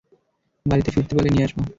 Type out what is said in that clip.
বাড়িতে ফিরতে পারলে নিয়ে আসব।